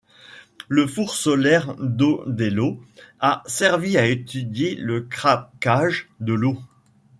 Le four solaire d'Odeillo a servi à étudier le craquage de l'eau.